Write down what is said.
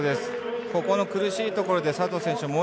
ここの苦しいところで佐藤選手